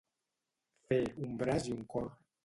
Fer un braç i un cor.